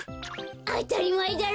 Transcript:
あたりまえだろ。